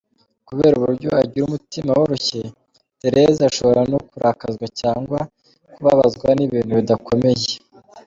Kubera uburyo agira umutima woroshye, Therese ashobora no kurakazwa cyangwa kubabazwa n’ibintu bidakomeye.